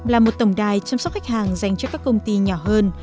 là một tổng đài chăm sóc khách hàng dành cho các công ty nhỏ hơn